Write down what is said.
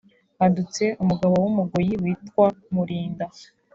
hadutse umugabo w’umugoyi witwa Mulinda